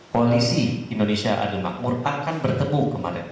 polisi indonesia adil makmur akan bertemu kemana